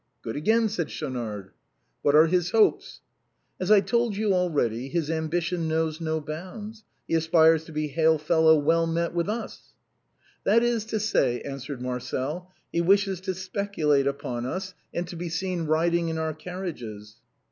" Good again !" said Schaunard. " What are his hopes ?" "As I told you already, his ambition knows no bounds; he aspires to be ' hail fellow well met ' with us." " That is to say," answered Marcel, " he wishes to specu late upon us, and to be seen riding in our carriages."